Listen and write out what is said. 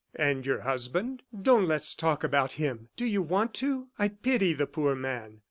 "And your husband?" "Don't let's talk about him. Do you want to? I pity the poor man!